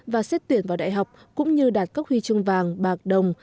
và xét tuyển vào đại học cũng như đạt các huy chương vàng bạc đồng